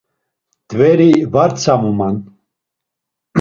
Mt̆veri var tzamuman.